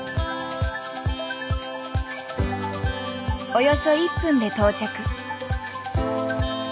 およそ１分で到着。